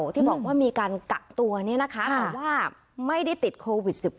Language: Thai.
ที่บอกว่ามีการกักตัวแต่ว่าไม่ได้ติดโควิด๑๙